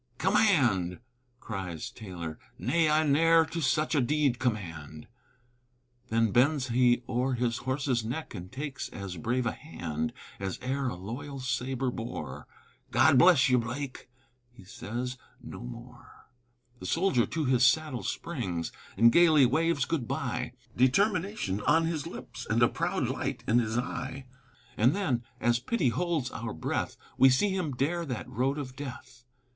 "'Command'!" cries Taylor; "nay, I ne'er To such a deed 'command!'" Then bends he o'er his horse's neck And takes as brave a hand As e'er a loyal sabre bore: "God bless you, Blake," he says no more. The soldier to his saddle springs And gayly waves good by, Determination on his lips, A proud light in his eye: And then, as pity holds our breath, We see him dare that road of death.